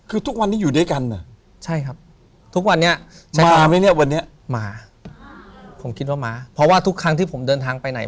คือทุกวันนี้อยู่ด้วยกัน